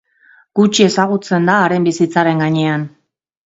Gutxi ezagutzen da haren bizitzaren gainean.